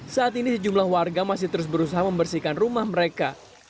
saat ini sejumlah warga masih terus berusaha membersihkan rumah mereka